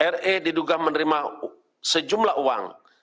re diduga menerima sejumlah uang